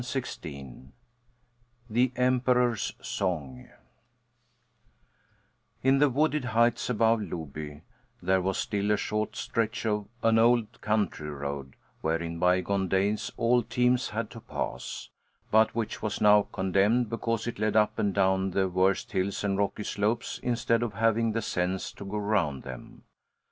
BOOK THREE THE EMPEROR'S SONG In the wooded heights above Loby there was still a short stretch of an old country road where in bygone days all teams had to pass, but which was now condemned because it led up and down the worst hills and rocky slopes instead of having the sense to go round them.